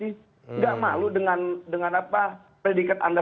tidak malu dengan predikat anda